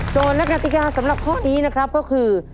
โจทย์และกนาติกาสำหรับพ่อนี้นะครับก็คือ